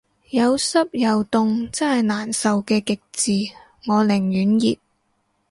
有濕又凍真係難受嘅極致，我寧願熱